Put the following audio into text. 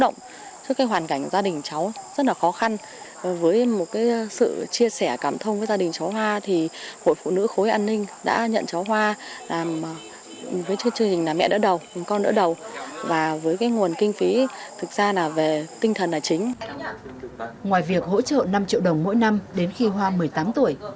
ngoài việc hỗ trợ năm triệu đồng mỗi năm đến khi hoa một mươi tám tuổi